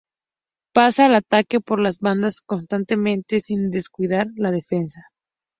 Pasa al ataque por las bandas constantemente sin descuidar la defensa.